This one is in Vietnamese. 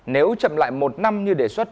nếu chậm lại một năm như đề xuất